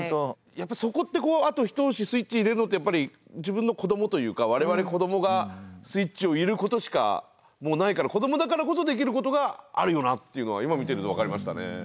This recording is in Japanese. やっぱそこってあと一押しスイッチ入れるのってやっぱり自分の子どもというか我々子どもがスイッチを入れることしかもうないから子どもだからこそできることがあるよなっていうのが今見てると分かりましたね。